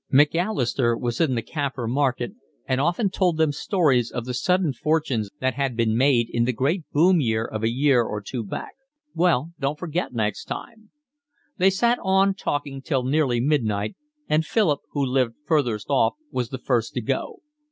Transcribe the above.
Macalister was in the Kaffir market and often told them stories of the sudden fortunes that had been made in the great boom of a year or two back. "Well, don't forget next time." They sat on talking till nearly midnight, and Philip, who lived furthest off, was the first to go.